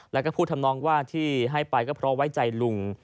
แล้วก็พูดทำนองว่าที่ให้ไปก็เพราะไว้ใจลุง